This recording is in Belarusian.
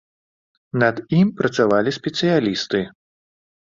Над ім працавалі спецыялісты.